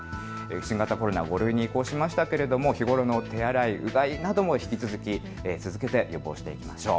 新型コロナ、５類に移行しましたが、日頃の手洗い、うがいなども引き続き続けて予防していきましょう。